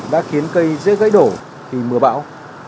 đã khiến cây dễ gãy đổ thì mưa bão